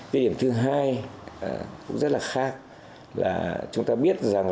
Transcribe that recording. cái điểm thứ hai cũng rất là khác là chúng ta biết rằng